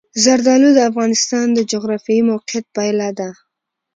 زردالو د افغانستان د جغرافیایي موقیعت پایله ده.